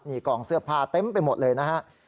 นี่กองเสื้อผ้าเต็มไปหมดเลยนะฮะ